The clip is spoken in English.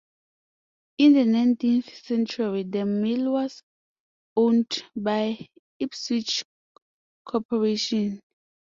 In the nineteenth century the mill was owned by Ipswich Corporation.